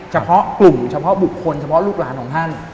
เฉพาะกลุ่มเฉพาะบุคคลเฉพาะลูกหลานของท่าน